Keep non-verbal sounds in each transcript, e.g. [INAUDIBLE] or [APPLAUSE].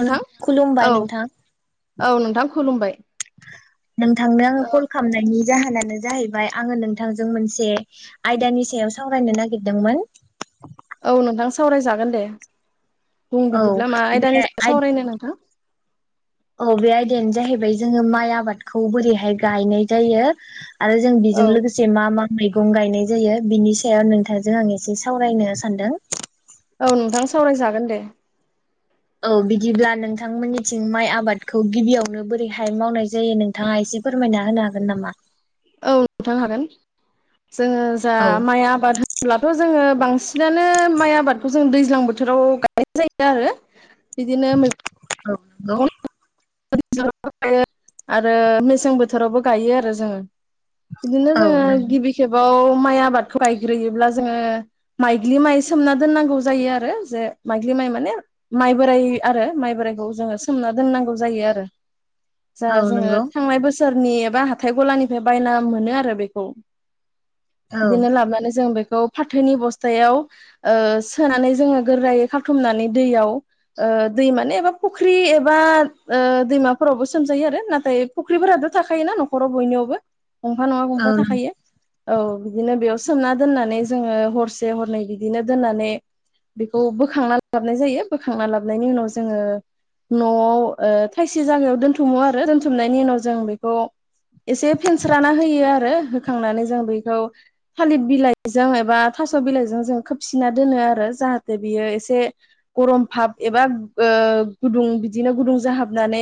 ओ खुलुमबाय औ नोंथां। औ नोंथां खुलुमबाय नोंथांनो आङो कल खालामनायनि जाहोनानो जाहैबाय आङो नोंथांजों मोनसे आयदानि सायाव सावरायनो नागिरदोंमोन [INAUDIBLE] औ नोंथां सावरायजागोन दे बुं औ बिदिब्ला मा बे आयदानि आय जा-सावरायनो नोंथां औ बे आयदायानो जाहैबाय जोङो माइ आबादखौ बोरैहाय गायनाय जायो आरो जों औ बेजों लोगोसे मा मा मैगं गायनाय जायो बिनि सायाव नोंथांजों आं एसे सावरायनो सानदों औ नोंथां सावरायजागोन दे। औ बिदिब्ला नोंथांमोननिथिं माइ आबादखौ गिबियावनो बोरैहाय मावनाय जायो नोंथाङा एसे- फोरमायना होनो हागोन नामा? औ नोंथां हागोन जोङो जा औ माइ आबाद होनब्लाथ' जोङो- बांसिनानो माइ आबादखौ जों दैज्लां बोथोराव गायनाय जायो आरो बिदिनो औ नंगौ। गायो आरो मेसें बोथोरावबो गायो आरो जोङो बिदिनो औ जोङो नंगौ गिबि खेबाव माइ आबादखौ गायग्रोयोब्ला जोङो माइग्लि माइ सोमना दोननांगौ जायो आरो जे माइ माने बोराइ आरो माइ बोराइखौ जोङो सोमना दोननांगौ जायो आरो जख औ जोङो नंगौ थांनाय बोसोर सोरनि एबा हाथाय गलानिफ्राय बायना मोनो आरो बेखौ। औ बिदिनो लाबनानै जों बेखौ फाथोनि बस्थायाव ओ सोनानै जों गोरायै खाथुमनानै दैयाव ओ दै माने एबा फुख्रि बा दैमाफोरावबो सोमजायो आरो नाथाय फुख्रिफोराथ' थाखायोना न'खराव बयनियावबो। गंफा नङा औ गंफा नंगौ थाखायो। औ बिदिनो बेयाव सोमना दोननानै जोङो हरसे हरनै बिदिनो दोननानै बेखौ बोखांना लाबनाय जायो बोखांना लाबनायनि उनाव जोङो न'आव थायसे जागायाव दोनथुमो आरो दोनथुमनायनि उनाव जों बेखौ एसे फेनस्राना होयो आरो होखांनानै जों बेखौ थालिर बिलाइजों एबा दास बिलाइ जों खोबसिना दोनो आरो जाहाथे बियो एसे गम भाप एबा ओ गुदुं बिदिनो गुदुं जाहाबनानै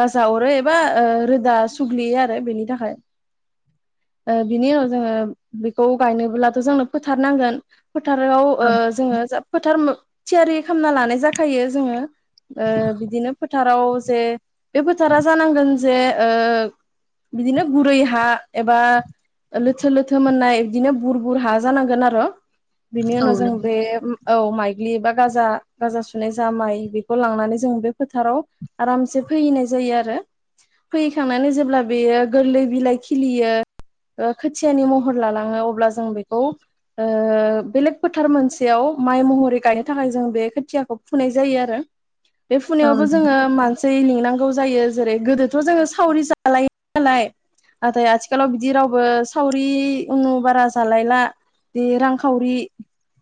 गाजा अरो एबा रोदा सुग्लियो आरो बेनि थाखाय [INAUDIBLE] ओ बिनि उनाव जोङो बेखौ गायनोब्लाथ' जोंनो फोथार नांगोन। फोथाराव औ जोङो जा फोथार थियारि खालामना लानाय जाखायो जोङो ओ बिदि बिदिनो फोथाराव जे बे फोथारा जानांगोन जे ओ बिदिनो गुरै हा एबा लोथो लोथो मोननाय बिदिनो बुर बुर हा जानांगोन आरो बिनि उनाव जों नंगौ बे औ माइग्लि ए बा गाजा गाजा सुनाय जा माइ बेखौ लांनानै जों फोथाराव आरामसे फोहैनाय जायो आरो फोहैखांनानै जेब्ला बेयो गोरलै बिलाइ खिलियो खोथियानि महर लालाङो अब्ला जों बेखौ बेलेग फोथार मोनसेयाव माइ महरै गायनो थाखाय जों बे खोथियाखौ फुनाय जायो आरो [INAUDIBLE] बे फुनायावबो जोङो नंगौ मानसि लिंनांगौ जायो जेरै गोदोथ' जोङो सावरि जालायो नालाय नाथाय आथिखालाव बिदि रावबो सावरि उनु बारा जालायला जि रांखावरि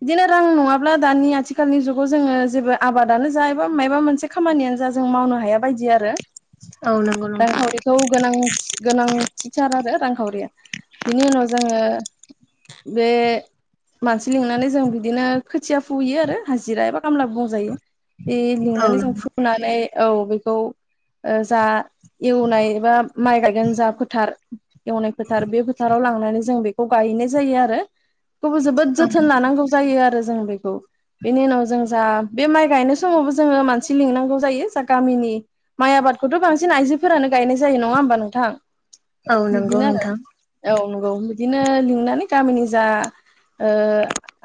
बिदिनो रां नङाब्ला दानि आथिखालनि जुगाव जोङो जेबो आबादानो जा एबा मायबा मोनसे खामानियानो जा जों मावनो हाया बायदि आरो औ नंगौ नोंथां रांखावरिखौ गोनांथि गोनांथिथार आरो रांखावरिया। बिनि उनाव जोङो बे- मानसि लिंनानै जों बिदिनो खोथिया फुयो आरो हाजिरा एबा खामला बुंजायो। बे औ लिंनानै जों नंगौ माने औ बेखौ जा एवनाय एबा माइ गायगोन जा फोथार एवनाय फोथार बे फोथाराव- लांनानै जों बेखौ गायहैनाय जायो आरो थेवबो जोबोद जोथोन लानांगौ जायो आरो जों बेखौ बेनि उनाव जों जा बे माइ गायनाय समावबो जोङो थि लिंनांगौ जायो जा गामिनि माइ आबादखौथ' बांसिन आइजोफोरानो गायनाय जायो नङा होमबा नोंथां? औ नंगौ बिदिनो आरो नोंथां औ नंगौ बिदिनो लिंनानै गामिनि जा ओ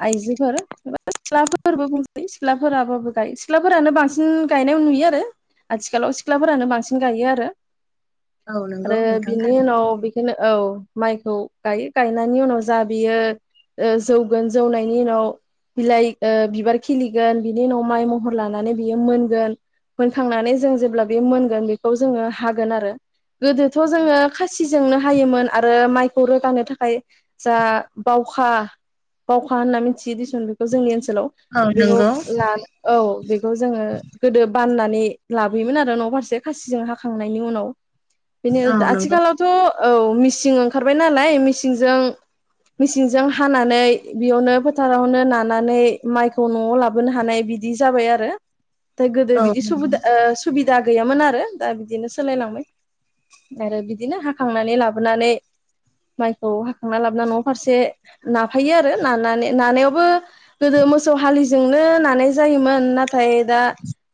आइजोफोर बा सिख्लाफोरबो बुंजायो सिख्लाफोराबो गायो सिख्लाफोरानो बांसिन बांसिन गायनाय नुयो आरो आथिखालाव सिख्लाफोरानो बांसिन गायो आरो औ नंगौ आरो नोंथां बिनि थारैनो उनाव बेखायनो औ माइखौ गायो गायनायनि उनाव जा बियो जौगोन जौनायनि उनाव बिलाइ बिबार खिलिगोन बिनि उन' माइ महर लानानै बियो मोनगोन मोनखांनानै जों जेब्ला बेयो मोनगोन बेखौ जोङो हागोन आरो गोदोथ' जोङो खासिजोंनो हायोमोन आरो माइखौ रोगानो थाखाय जा बाव खा होनना मिथियो देसन बेखौ जोंनि ओन सोलाव औ बेखौ ला [UNINTELLIGIBLE] औ तंजो गोदो बाननानै लाबोयोमोन आरो न' फारसे खासिजों हाखांनायनि उनाव बेनि औ नंगौ आथिखालावथ' औ मिसिं ओंखारबाय नालाय मिसिंजों मेसिनजों हानानै बेयावनो फोथारावनो नानानै माइखौ न'आव लाबोनो हानाय बिदि जाबाय आरो दा गोदो औ बिदि सुबदा नंगौ सुबिदा गैयामोन आरो दा बिदिनो सोलायलांबाय आरो बिदिनो हाखांनानै लाबोनानै माइखौ हाखांना लाबोना न' फारसे नाफायो आरो नानानै नानायावबो गोदो मोसौ हालिजोंनो नानाय जायोमोन नाथाय दा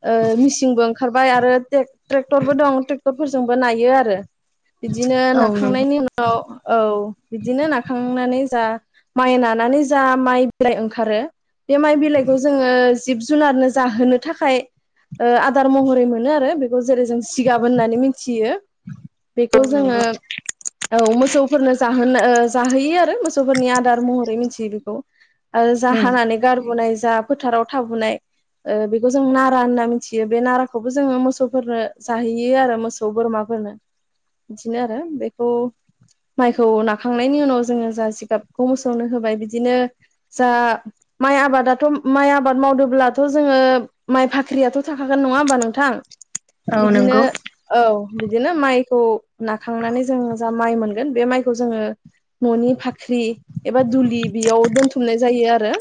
ओ मिसिंनबो ओंखारबाय आरो ट्रेक्टरबो दं ट्रेक्टरफोरजोंबो नायो आरो बिदिनो औ नंगौ नाखांनायनि उनाव औ बिदिनो नाखांनानै जा माइ नानानै जा माइ बिलाइ ओंखारो बे माइ बिलाइखौ जोङो जिब जुनारनो जाहोनो थाखाय ओ आदार महरै मोनो आरो बेखौ जेरै जों जिगाब होननानै मिथियो औ बेखौ जोङो नंगौ औ मोसौफोरनो जाहोनो जाहैयो आरो मोसौफोरनि आदार महरै मिथियो बेखौ आरो उम हानानै गारबोनाय जा फोथाराव थाबोनाय औ बेखौ जों नारा होनना मिथियो बे नाराखौबो जोङो मोसौफोरनो जाहैयो आरो मोसौ बोरमाफोरनो बिदिनो आरो बेखौ माइखौ नाखांनायनि उनाव जोङो जा जिगाबखौ मोसौनो होबाय बिदिनो जा माइ आबादाथ' माइ आबाद मावदोंब्लाथ' जोङो माइ फाख्रियाथ' थाखागोन नङा होमबा नोंथां औ बिदिनो नंगौ औ बिदिनो माइखौ नाखांनानै जों जा माइ मोनगोन बे माइखौ जोङो न'नि भाख्रि एबा दुलि बेयाव दोनथुमनाय जायो आरो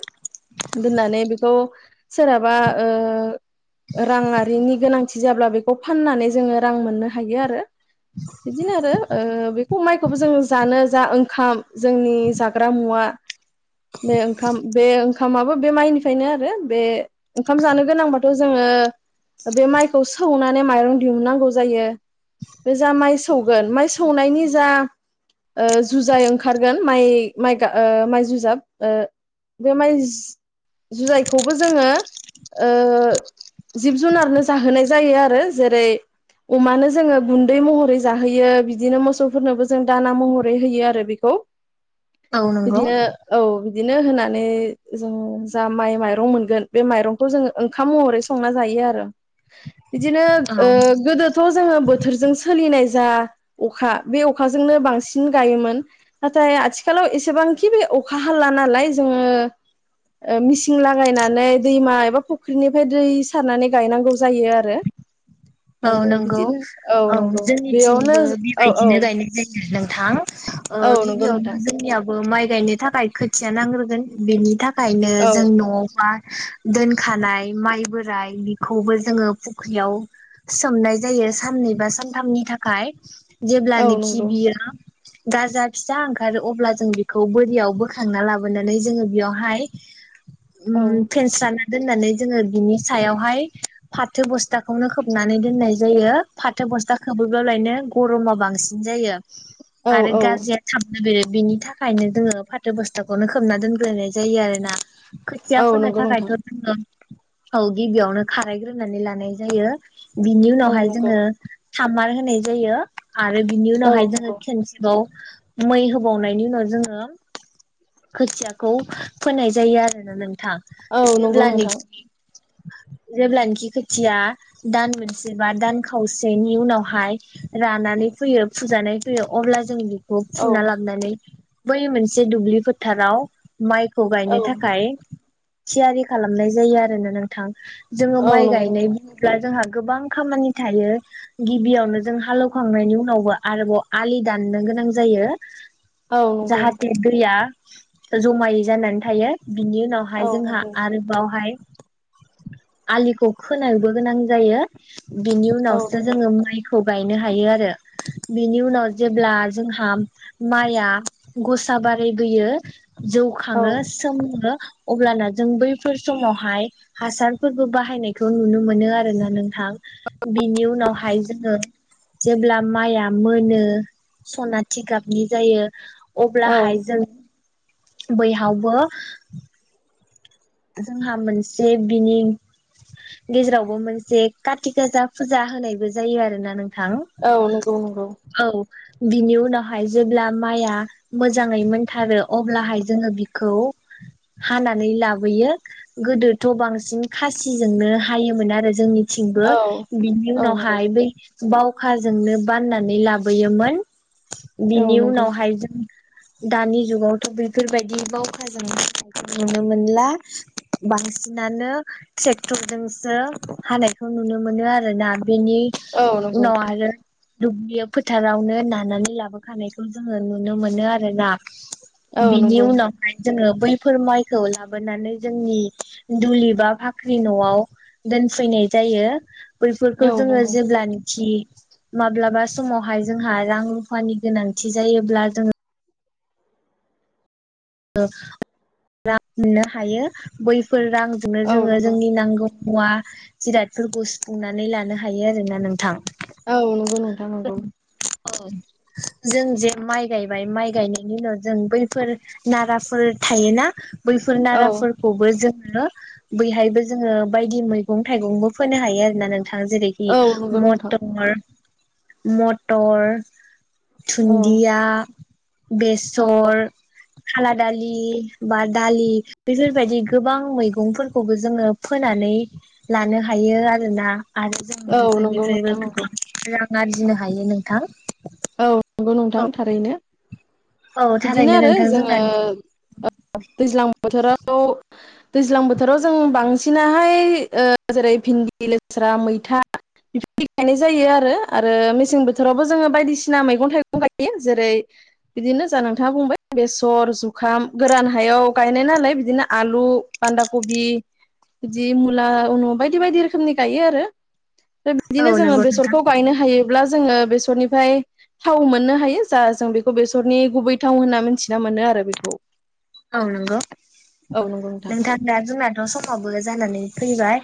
दोननानै बेखौ सोरहाबा ओ रांआङिनि गोनांथि जाब्ला बेखौ फाननानै जोङो रां मोननो हायो आरो बिदिनो आरो ओ बेखौ माइखौबो जों जानो जा ओंखाम जोंनि जाग्रा मुवा बे ओंखाम बे ओंखामाबो बे माइनिफ्रायनो आरो बे ओंखाम जानो गोनांबाथ' जोङो बे माइखौ सौनानै माइरं दिहुननांगौ जायो बे जा माइ सौगोन माइ सौनायनि जा ओ जुजाय ओंखारगोन माइ माइगाब ओ माइ जुजाब ओ बे माइ जुजायखौबो जोङो ओ जिब जुनारनो जाहोनाय जायो आरो जेरै अमानो जोङो गुन्दै महरै जाहोयो बिदिनो मोसौफोरनोबो जों दाना महरै होयो आरो बेखौ। [INAUDIBLE] औ नंगौ बिदिनो औ बिदिनो होनानै जों जा माइ माइरं मोनगोन बे माइरंखौ जोंङो ओंखाम महरै संना जायो आरो। बिदिनो औ ओ गोदोथ' जोङो बोथोरजों सोलिनाय जा अखा बे अखाजोंनो बांसिन गायोमोन नाथाय आथिखालाव एसेबांखि बे अखा हाला नालाय जोङो मिचिं लागायनानै दैमा एबा फुख्रिनिफ्राय दै सारनानै गायनांगौ जायो आरो। आरो औ नंगौ बिदिनो औ नंगौ बेयावनो जोंनिथिंबो औ औ बेबायदिनो गायनाय जायो। नोंथां ओ औ नंगौ नोंथां गिबियावनो जोंनिया बो माइ गायनो थाखाय खोथिया नांग्रोगोन बेनि थाखायनो औ जों न आवबा दोनखानाय माइ बोराय बेखौबो जोङो फुख्रियाव सोमनाय जायो साननै बा सानथामनि थाखाय औ जेब्लानाखि नंगौ बियो गाजा फिसा ओंखारो अब्ला जों बेखौ बोरियाव बोखांना लाबोनानै जोङो बेयावहाय औ उम फेस्राना दोननानै जोङो बिनि सायावहाय फाथो बस्थाखौनो खोब खोबनानै दोननाय जायो फाथो बस्था खोबोैब्लालायनो गरमा बांसिन जायो। औ आरो औ गाजाया थाब बे बिनि थाखायनो जोङो फाथो बस्थाखौनो खोबना दोनग्रोनाय जायो आरो ना। खोथिया औ फोनो नंगौ थाखायथ नोंथां जोङो औ गिबियावनो खारायग्रोनानै लानाय जायो। बिनि औ उनावहाय नंगौ जोङो सामार होनाय जायो। आरो बिनि औ उनावहाय जोङो नंगौ खेनसेबाव मै होबावनायनि उनाव जोङो खोथियाखौ फोनाय जायो आरोना नों थां औ नंगौ नोंथां जेब्लानोखि जेब्लानोखि खोथिया दान मोनसे बा दान खावसेनि उनावहाय रानानै फैयो फुजानाय फैयो अब्ला जों औ फुना लाबनानै बै मोनसे दुब्लि फोथाराव माइखौ गायनो औ थाखाय थियारि खालामनाय जायो आरोना नोंथां। जोङो औ माइ नंगौ गायनाय नोंथां जोंहा गोबां खामानि थायो। गिबियावनो जों हालौवखांनायनि उनावबो आरोबाव आलि दाननो गोनां जायो। औ नंगौ जाहाथे दैया जमायै जानानै थायो। बिनि उनावहाय औ जोंहा नंगौ आरोबावहाय आलिखौ खोनांबो गोनां जायो। बिनि औ उनावसो नंगौ जोङो माइखौ गायनो हायो आरो बिनि उनाव जेब्ला जोंहा माया गसा बारायबोयो जौ औ खाङो सोमो अब्लाना जों बैफोर समावहाय हासारफोरबो बाहायनायखौ नुनो मोनो। आरोना नोंथां। बिनि उनावहाय जोङो जेब्ला माइआ मोनो सना थिगाबनि जायो औ अब्लाहाय जों बैहावबो जोंहा मोनसे बिनि गेजेरावबो मोनसे कातिगासा फुजा होनायबो जायो आरो ना नों औ नंगौ नंगौ। बिनि उनावहाय जेब्ला माइआ मोजाङै मोनथारो अब्लाहाय जोङो बिखौ हानाानानै लाबो यो गोदोथ बांसिन खासिजोंनो हायोमोन आरो जोंनि थिंबो औ बिनि औ नंगौ उनावहाय बै बावखाजोंनो बाननानै लाबोयोमोन औ बिनि नंगौ उनावहाय जों दानि जुगावथ बेफोरबायदि बावखाजोंखौ नुनो मोनला। बांसिनानो ट्रेक्टरजोंसो हानायखौ नुनो मोनो आरोना बेनि औ नंगौ उनाव आरो दुब्लि फोथारावनो नानानै लाबोखानायखौ जोङो नुनो मोनो आरोना। औ बिनि नंगौ उनावहाय जोङो बैफोर माइखौ लाबोनानै जोंनि दुलि बा फाख्रि नआव दोनफैनाय जायो। बैफोरखौ औ जोङो नंगौ जेब्ला खि माब्लाबा समावहाय जोंहा रां रुफानि गोनांथि जायोब्ला जोङो रां मोननो हायो बैफोर रांजोंनो औ जोङो नंगौ जोंनि नांगौ मुवा जिरादफोरखौ सुफुंनानै लानो हायो आरोना नोंथां औ नंगौ नोंथां नंगौ। औ जों जे माइ गायबाय माइ गायनायनि उनाव जों बैफोर नाराफोर थायोना बैफोर औ नाराफोरखौबो जों बैहायबो जोङो बायदि मैगं थाइगंबो फोनो हायो आरोना नों जेरैखि औ नंगौ नोंथां मटर मटर औ थुन्दिया बेसर खाला दालि बा दालि बेफोरबायदि गोबां मैगंफोरखौबो जोङो फोनानै नै लानो हायो आरोना। आरो जों औ नंगौ नोंथां नंगौ बेफोरनिफ्रायबो रां आर्जिनो हायो नोंथां। औ नंगौ नोंथां औ थारैनो। औ बिदिनो थारैनो आरो नोंथां जोङो जोंना दैज्लां बोथोराव दैज्लां बोथोराव जों बांसिनाहाय जेरै भिन्दि लेस्रा मैथा बिफोर गायनाय जायो आरो मेसें बोथोरावबो जोङो बायदिसि‌ सिना मैगं थाइगं गायो जेरै बिदिनो जा नोंथाङा बुंबाय बेसर जुखाम गोरान हाय याव गायनाय नालाय बिदिनो आलु बान्दा कबि बिदि मुला उन' बायदि बायदि रोखोमनि गायो आरो औ बिदिनो जोङो नंगौ नोंथां बेसरखौ गायनो हायोब्ला जोङो बेसरनिफ्राय थाव मोननो हायो जा जों बेखौ बेसरनि गुबै थाव होनना मिथिना मोनो आरो बेखौ औ नंगौ औ नंगौ नोंथां दा जोंनाथ' समावबो जानानै फैबाय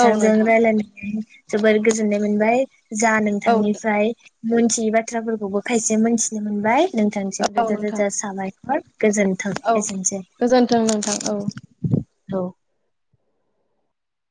औ नोंथां रायलायनानै जोबोर गोजोननाय मोनबाय जा औ नोंथांनिफ्राय मोनथियै बाथ्राफोरखौबो खायसे मोनथिनो मोनबाय नोंथांसिम औ रोजा नोंथां रोजा साबायखर गोजोन्थों। औ एसेनोसै गोजोनथों नोंथां औ औ